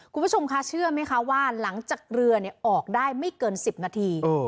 คุณผู้ชมคะเชื่อไหมคะว่าหลังจากเรือออกได้ไม่เกิน๑๐นาที